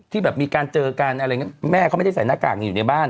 แบบมีการเจอกันอะไรอย่างนี้แม่เขาไม่ได้ใส่หน้ากากอยู่ในบ้าน